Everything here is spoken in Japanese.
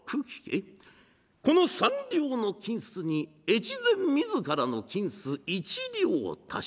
この三両の金子に越前自らの金子一両を足した。